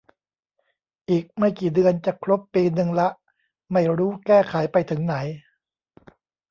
อีกไม่กี่เดือนจะครบปีนึงละ ไม่รู้แก้ไขไปถึงไหน